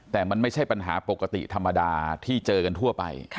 แต่มันไม่ใช่ปัญหาปกติธรรมดาที่เจอกันทั่วไป